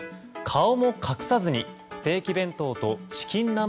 顔も隠さずにステーキ弁当とチキン南蛮